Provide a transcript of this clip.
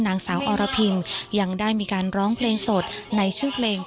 นางสาวอรพินยังได้มีการร้องเพลงสดในชื่อเพลง